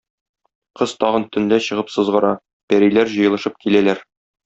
Кыз тагын төнлә чыгып сызгыра, пәриләр җыелышып киләләр.